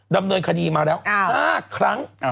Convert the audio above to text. ดำเนินคดีมาแล้ว๕ครั้ง